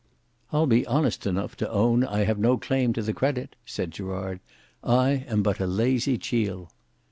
"I'll be honest enough to own I have no claim to the credit," said Gerard. "I am but a lazy chiel."